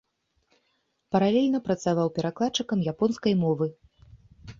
Паралельна працаваў перакладчыкам японскай мовы.